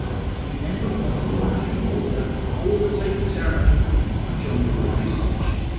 He then performs in due order all the sacred ceremonies enjoined by usage.